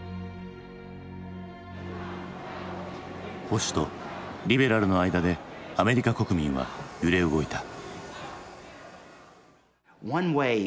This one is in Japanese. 保守とリベラルの間でアメリカ国民は揺れ動いた。